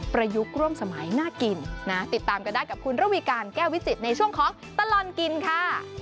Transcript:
ยุคร่วมสมัยน่ากินนะติดตามกันได้กับคุณระวีการแก้ววิจิตในช่วงของตลอดกินค่ะ